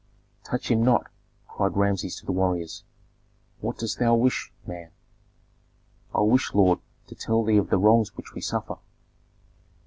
"Touch him not!" cried Rameses to the warriors. "What dost thou wish, man?" "I wish, lord, to tell thee of the wrongs which we suffer."